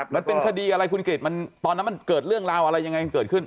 มันเป็นคดีอะไรคุณเกดมันตอนนั้นมันเกิดเรื่องราวอะไรยังไงกันเกิดขึ้น